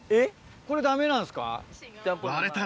これダメなんですか？